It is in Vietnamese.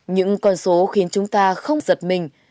những con số khiến chúng ta không giật mình